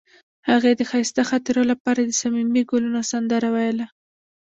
هغې د ښایسته خاطرو لپاره د صمیمي ګلونه سندره ویله.